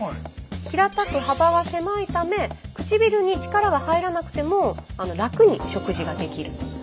平たく幅が狭いため唇に力が入らなくても楽に食事ができる。